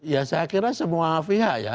ya saya kira semua pihak ya